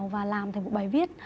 và làm thành một bài viết